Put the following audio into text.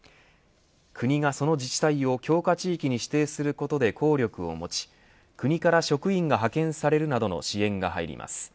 国がその自治体を強化地域に指定することで効力を持ち国から職員が派遣されるなどの支援が入ります。